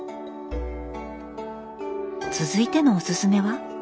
続いてのおすすめは？